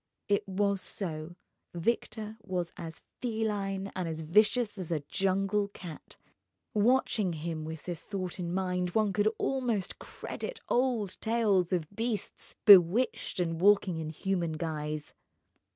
It was so: Victor was as feline and as vicious as a jungle cat. Watching him with this thought in mind, one could almost credit old tales of beasts bewitched and walking in human guise.